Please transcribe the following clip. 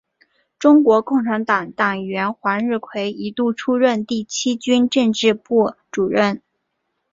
中国共产党党员黄日葵一度出任第七军政治部主任。